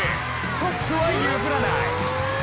トップは譲らない。